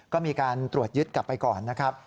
ก็มีการตรวจยึดกลับไปก่อนนะครับ